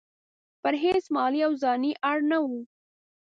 پر هیڅ مالي او ځاني اړ نه وو.